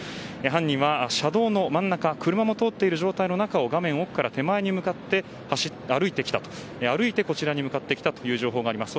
犯人は車道の真ん中車も通っている状況の中画面奥から手前に向かって歩いてこちらに向かってきたという情報があります。